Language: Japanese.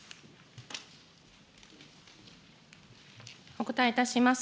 お答えいたします。